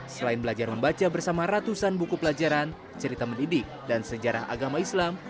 selain belajar membaca bersama ratusan buku pelajaran cerita mendidik dan sejarah agama islam